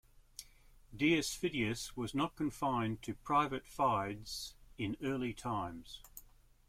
Dius Fidius was not confined to private "fides" in early times.